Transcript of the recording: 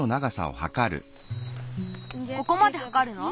ここまではかるの？